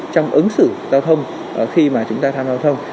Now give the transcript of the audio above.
trong ứng xử giao thông khi mà chúng ta tham gia giao thông